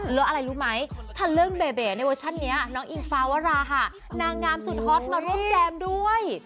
แล้วอะไรรู้ไหมถ้าเรื่องเบเบในเวอร์ชันนี้น้องอิงฟ้าวราหะนางงามสุดฮอตมาร่วมแจมด้วย